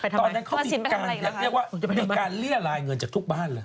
ตอนนั้นเขาอีกการคือในการเลี่ยงลายเงินจากทุกบ้านแหละ